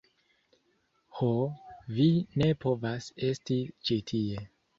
Ho, vi ne povas esti ĉi tie